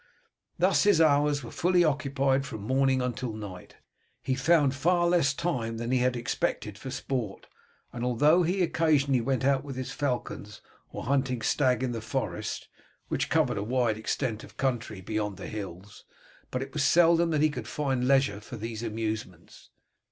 Thus his hours were fully occupied from morning until night. He found far less time than he had expected for sport, and although he occasionally went out with his falcons or hunted the stag in the forest, which covered a wide extent of country beyond the hills, it was but seldom that he could find leisure for these amusements.